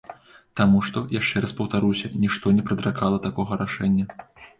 Таму што, яшчэ раз паўтаруся, нішто не прадракала такога рашэння.